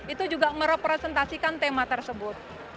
itu juga merepresentasikan tema tersebut